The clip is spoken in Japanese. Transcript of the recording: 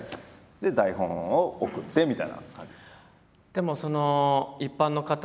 で台本を送ってみたいな感じですね。